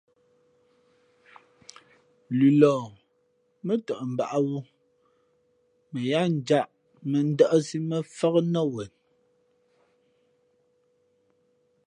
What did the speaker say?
Lʉlɔ̌ mά tαʼ mbǎʼwū mα yáá njāʼ mᾱdάʼsí mά fák nά wen.